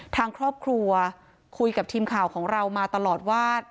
ทางครอบครัวคุยกับทีมข่าวของเรามาตลอดว่า